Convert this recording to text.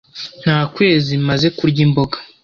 Nta kwezi maze kurya imboga.